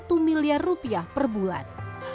satu miliar rupiah per bulan